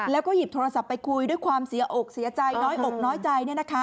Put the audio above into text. แล้วก็หยิบโทรศัพท์ไปคุยด้วยความเสียอกเสียใจน้อยอกน้อยใจ